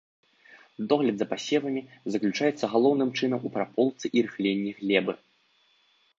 Догляд за пасевамі заключаецца галоўным чынам у праполцы і рыхленні глебы.